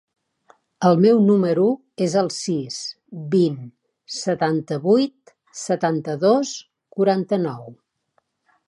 El meu número es el sis, vint, setanta-vuit, setanta-dos, quaranta-nou.